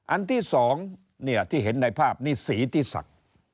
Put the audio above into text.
อันที่สองเนี่ยที่เห็นในภาพนี้สีที่สัก